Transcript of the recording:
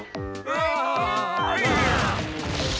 うわ！